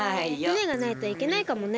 ふねがないといけないかもね。